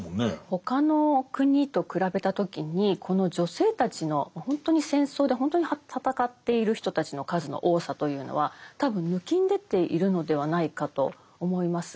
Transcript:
他の国と比べた時にこの女性たちの本当に戦争で本当に戦っている人たちの数の多さというのは多分ぬきんでているのではないかと思います。